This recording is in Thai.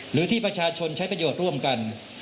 หรือที่ประชาชนใช้ประโยชน์ร่วมกัน